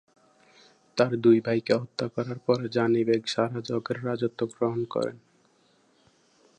তার দুই ভাইকে হত্যা করার পরে, জানি বেগ সারা-জকের রাজত্ব গ্রহণ করেন।